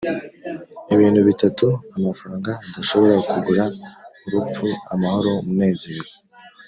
Ibintu bitatu amafaranga adashobora kugura urupfu, amahoro, umunezero